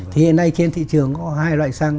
thì hiện nay trên thị trường có hai loại xăng